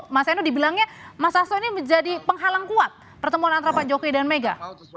mas enu dibilangnya mas hasto ini menjadi penghalang kuat pertemuan antara pak jokowi dan mega